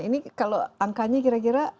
ini kalau angkanya kira kira